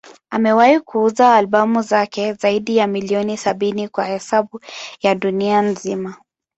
Amewahi kuuza albamu zake zaidi ya milioni sabini kwa hesabu ya dunia nzima.